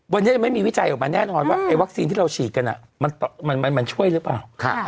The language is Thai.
วันนี้ยังไม่มีวิจัยออกมาแน่นอนว่าไอวัคซีนที่เราฉีดกันมันช่วยหรือเปล่า